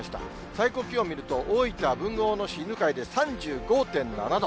最高気温見ると、大分・豊後大野市犬飼で３５．７度。